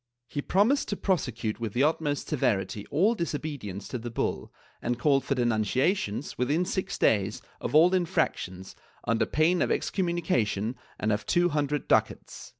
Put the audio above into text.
He promised to prosecute with the utmost severity all disobedience to the bull, and called for denunciations, within six days, of all infractions, under pain of excommunication and of two hundred ducats.